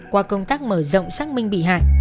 qua công tác mở rộng xác minh bị hại